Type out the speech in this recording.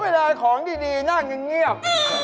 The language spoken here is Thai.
เพราะว่าไม่ได้ของดีนั่นยังเงียบ